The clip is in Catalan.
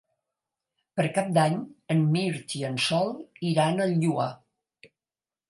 Per Cap d'Any en Mirt i en Sol iran al Lloar.